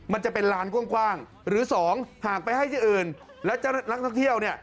มันจะเป็นลานกว้างหรือสองหากไปให้ที่อื่นแล้วนักท่องเที่ยวเนี่ย